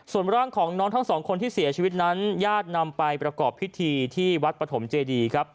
ส่วนร่างของน้องทั้งสองคนที่เสียชีวิตนั้นญาตินำไปประกอบพิธีที่วัดปฐมเจดีครับ